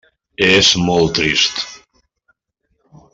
És molt trist.